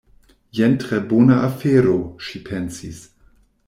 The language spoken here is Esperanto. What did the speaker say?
"Jen tre bona afero," ŝi pensis.